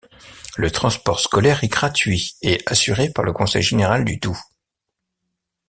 Le transport scolaire est gratuit et assuré par le conseil général du Doubs.